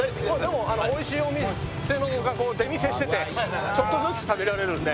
でも美味しいお店が出店しててちょっとずつ食べられるんで。